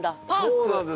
そうなんですよ！